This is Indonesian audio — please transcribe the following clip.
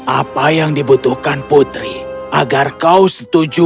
apa yang dibutuhkan putri agar kau setuju